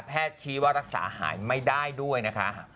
ชี้ว่ารักษาหายไม่ได้ด้วยนะคะ